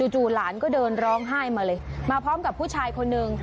จู่หลานก็เดินร้องไห้มาเลยมาพร้อมกับผู้ชายคนหนึ่ง